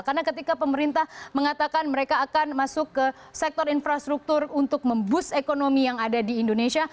karena ketika pemerintah mengatakan mereka akan masuk ke sektor infrastruktur untuk memboost ekonomi yang ada di indonesia